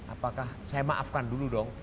apakah saya maafkan dulu dong